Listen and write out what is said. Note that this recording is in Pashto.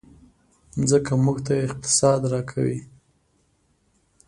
مځکه موږ ته اقتصاد راکوي.